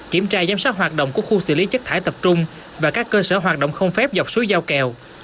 kiểm tra giám sát hoạt động của khu xử lý chất thải tập trung và các cơ sở hoạt động không phép dọc suối giao kèo